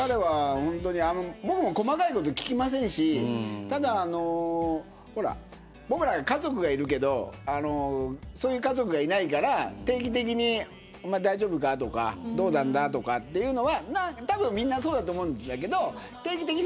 僕も細かいこと聞きませんし僕ら家族がいるけどそういう家族がいないから定期的に、おまえ大丈夫かとかどうなんだとかっていうのはみんな、そうだと思うんだけど定期的に。